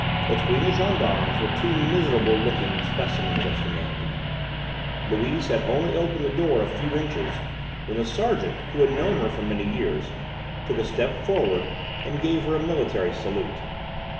Between the gendarmes were two miserable looking specimens of humanity. Louise had only opened the door a few inches when the sergeant, who had known her for many years, took a step forward and gave her a military salute.